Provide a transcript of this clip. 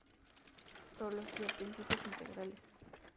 Zoología: principios integrales.